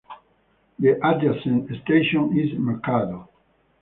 The adjacent station is Mercado.